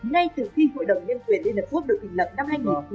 ngay từ khi hội đồng nhân quyền liên hợp quốc được tỉnh lập năm hai nghìn sáu